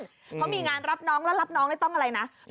เขามีงานรับน้องแล้วรับน้องได้ต้องอะไรนะ